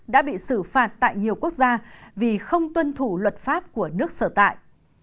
đã bị xử phạt tại nhiều quốc gia vì không tuân thủ luật pháp của nước sở tại